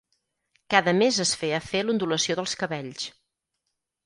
Cada mes es feia fer l'ondulació dels cabells.